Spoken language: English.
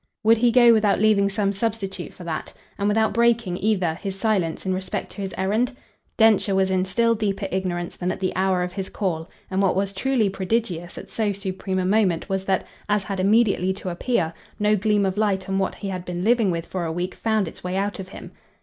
Would he go without leaving some substitute for that? and without breaking, either, his silence in respect to his errand? Densher was in still deeper ignorance than at the hour of his call, and what was truly prodigious at so supreme a moment was that as had immediately to appear no gleam of light on what he had been living with for a week found its way out of him.